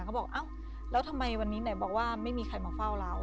เขาบอกอ้าวแล้วทำไมวันนี้ไหนบอกว่าไม่มีใครมาเฝ้าเรา